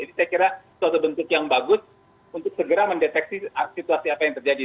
maka suatu bentuk yang bagus untuk segera mendeteksi situasi apa yang terjadi